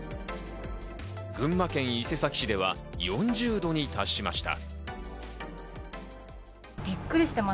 群馬県伊勢崎市では４０度に達しました。